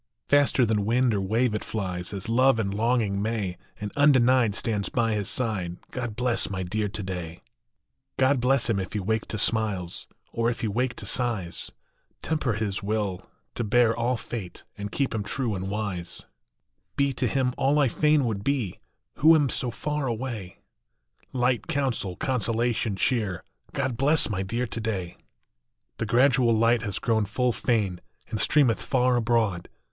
Faster than wind or wave it flies, As love and longing may, And undenied stands by his side God bless my Dear to day ! 162 AT DA WN OF DA Y, God bless him if he wake to smiles, Or if he wake to sighs ; Temper his will to bear all fate, And keep him true and wise ; Be to him all I fain would be Who am so far away, Light, counsel, consolation, cheer God bless my Dear to day ! The gradual light has grown full fain, And streameth far abroad.